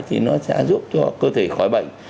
thì nó sẽ giúp cho cơ thể khỏi bệnh